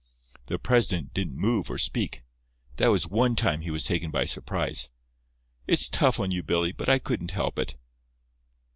The president didn't move or speak. That was one time he was taken by surprise. It's tough on you, Billy, but I couldn't help it."